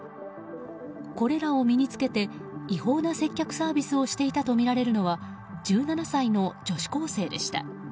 これらを身に着けて違法な接客サービスをしていたとみられるのは１７歳の女子高生でした。